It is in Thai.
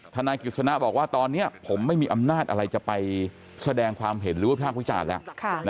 นายกฤษณะบอกว่าตอนนี้ผมไม่มีอำนาจอะไรจะไปแสดงความเห็นหรือว่าภาควิจารณ์แล้ว